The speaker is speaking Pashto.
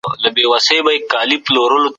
که ښوونه ښه وي، زده کړه سخته نه ښکاري.